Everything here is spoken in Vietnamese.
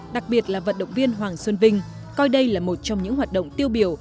đặc biệt là vận động viên hoàng xuân vinh coi đây là một trong những hoạt động tiêu biểu